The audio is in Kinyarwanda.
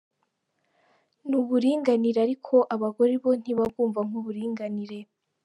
Ni uburinganire ariko abagore bo ntibabwumva nk’uburinganire.